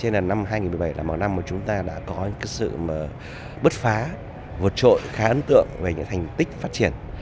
năm hai nghìn một mươi bảy là một năm chúng ta đã có sự bất phá vượt trội khá ấn tượng về những thành tích phát triển